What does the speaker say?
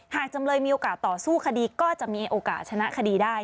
จำเลยมีโอกาสต่อสู้คดีก็จะมีโอกาสชนะคดีได้